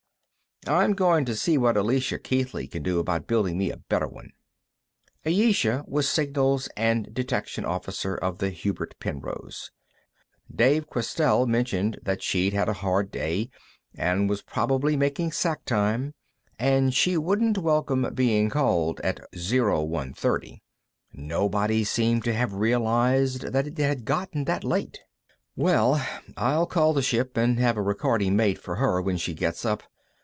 I'm going to see what Ayesha Keithley can do about building me a better one." Ayesha was signals and detection officer on the Hubert Penrose. Dave Questell mentioned that she'd had a hard day, and was probably making sack time, and she wouldn't welcome being called at 0130. Nobody seemed to have realized that it had gotten that late. "Well, I'll call the ship and have a recording made for her for when she gets up.